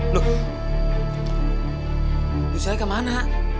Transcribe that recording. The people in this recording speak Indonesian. loh lu saya kemana